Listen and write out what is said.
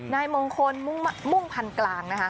นายมงคลมุ่งพันธุ์กลางนะคะ